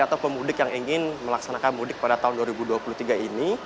atau pemudik yang ingin melaksanakan mudik pada tahun dua ribu dua puluh tiga ini